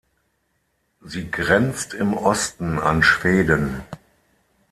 Sie grenzt im Osten an Schweden.